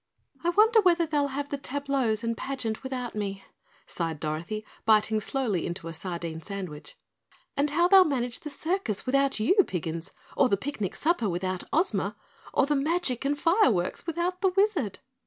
"I wonder whether they'll have the tableaux and pageant without me," sighed Dorothy, biting slowly into a sardine sandwich, "and how'll they manage the circus without you, Piggins, or the picnic supper without Ozma, or the magic and fireworks without the Wizard."